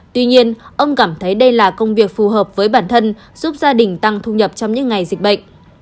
tuy nhiên ông cảm thấy đây là công việc phù hợp với bản thân giúp gia đình tăng thu nhập trong những ngày dịch bệnh